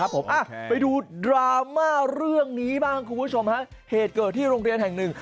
ผมไปดูดราม่าเรื่องนี้บ้างคุณผู้ชมฮะเหตุเกิดที่โรงเรียนแห่งหนึ่ง